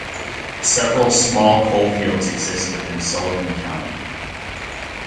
Several small coal fields exist within Sullivan County.